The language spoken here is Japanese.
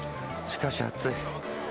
しかし、暑い。